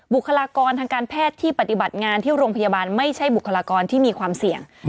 บุคลากรทางการแพทย์ที่ปฏิบัติงานที่โรงพยาบาลไม่ใช่บุคลากรที่มีความเสี่ยง